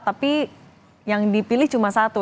tapi yang dipilih cuma satu